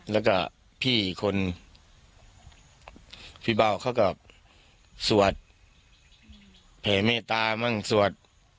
แล้วก็พี่อีกคนพี่เบาเขาก็สวดแผ่เมตตามั่งสวด